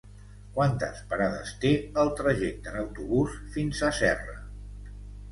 Quantes parades té el trajecte en autobús fins a Serra?